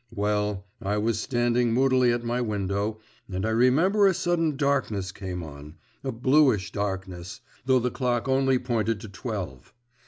Well, I was standing moodily at my window, and I remember a sudden darkness came on a bluish darkness though the clock only pointed to twelve.